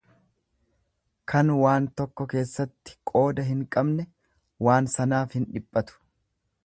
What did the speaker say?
Kan waan tokko keessatti qooda hin qabne waan sanaaf hin dhiphatu.